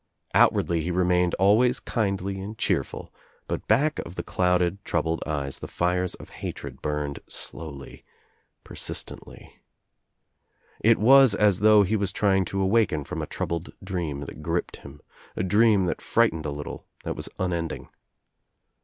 Outwardly he remained always kindly and cheerful but back of the clouded, troubled eyes the fires of hatred burned slowly, persistently. It was as though he was trying to awaken from a troubled dream that gripped him, a dream that frightened a little, that was unending.